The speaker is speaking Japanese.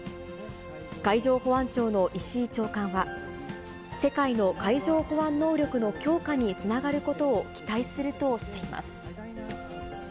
海上保安庁の石井長官は、世界の海上保安能力の強化につながることを期待するとしています。